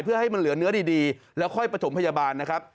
เพื่อให้มันเหลือเนื้อดีแล้วค่อยประถมพยาบาลนะครับ